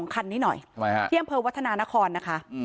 ๒คันนี่หน่อยเพียงเผือวัฒนานาคอลค่ะ